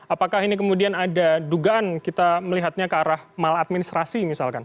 apakah ini kemudian ada dugaan kita melihatnya ke arah maladministrasi misalkan